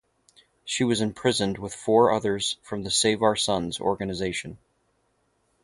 She was imprisoned with four others from the 'Save our Sons' organisation.